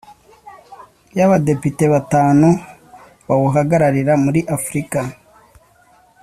yAbadepite batanu bawuhagararira muri africa